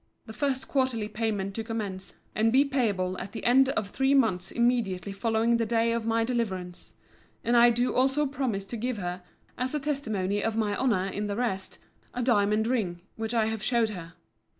The first quarterly payment to commence and be payable at the end of three months immediately following the day of my deliverance. And I do also promise to give her, as a testimony of my honour in the rest, a diamond ring, which I have showed her.